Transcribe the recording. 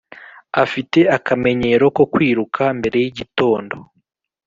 afite akamenyero ko kwiruka mbere yigitondo.